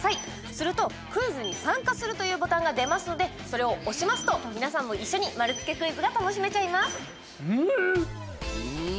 すると、クイズに参加するというボタンが出ますのでそれを押しますと皆さんも一緒に丸つけクイズが楽しめちゃいます。